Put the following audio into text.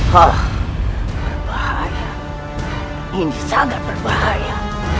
wah berbahaya ini sangat berbahaya